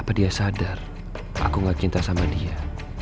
apa dia sadar aku gak cinta sama dia